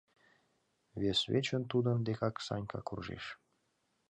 Вес вечын тудын декак Санька куржеш.